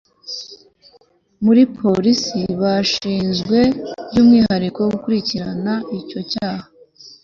muri polisi bashinzwe by'umwihariko gukurikirana icyo cyaha